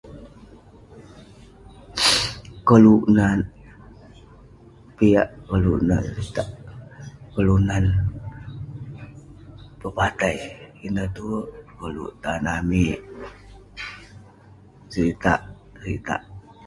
Koluk nat piak, koluk sat seritak kelunan pepatai, ineh tuwerk koluk tan amik, seritak seritak